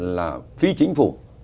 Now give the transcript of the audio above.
là phi chính phủ